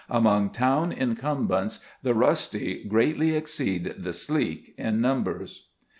Among town incumbents the rusty greatly exceed the sleek in numbers.